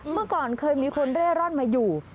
เมื่อก่อนเคยมีคนเร่ร่อนมาอยู่